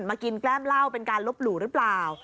มากินแกล้มเหล้าเป็นการลบหลู่หรือเปล่า